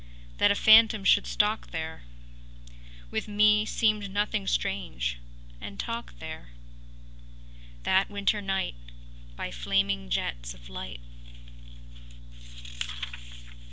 That a phantom should stalk there With me seemed nothing strange, and talk there That winter night By flaming jets of light.